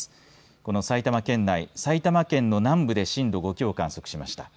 この埼玉県内、埼玉県の南部で震度５強を観測しました。